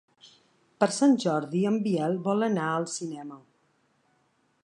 Per Sant Jordi en Biel vol anar al cinema.